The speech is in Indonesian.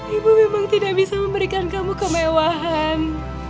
ibu memang tidak bisa memberikan kamu kemewahan